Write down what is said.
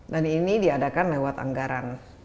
dan ini diadakan lewat anggaran